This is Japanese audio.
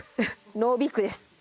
ノービクです。